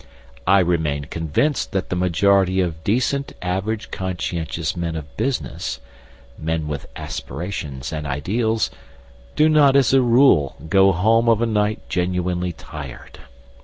I remain convinced that the majority of decent average conscientious men of business (men with aspirations and ideals) do not as a rule go home of a night genuinely tired.